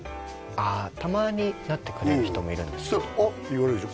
あたまになってくれる人もいるんですけど「あっ！」って言われるでしょ？